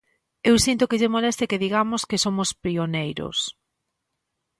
Eu sinto que lle moleste que digamos que somos pioneiros.